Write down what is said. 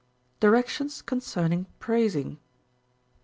Directions concerning Praising.